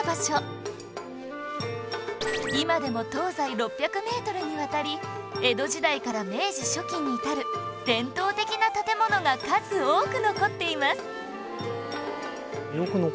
今でも東西６００メートルにわたり江戸時代から明治初期に至る伝統的な建物が数多く残っています